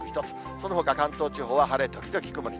そのほか関東地方は晴れ時々曇り。